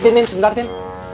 tim tim sebentar tim